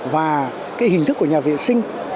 và cái hình thức của nhà vệ sinh